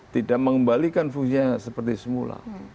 tidak mengembalikan fungsinya seperti semula